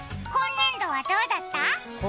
今年度はどうだった？